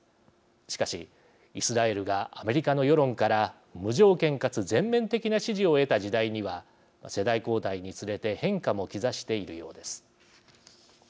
しかしイスラエルがアメリカの世論から無条件かつ全面的な支持を得た時代には世代交代につれて変化も兆しているようです。